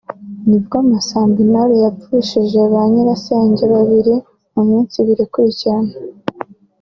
nibwo Masamba Intore yapfushije ba nyirasenge babiri mu minsi ibiri ikurikirana